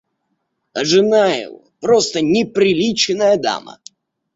А жена его просто неприличная дама.